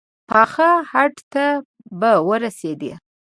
پاخه هډ ته به ورسېد.